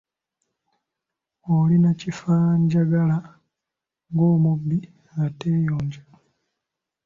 Oli nakifanjagala ng’omubi ateeyonja.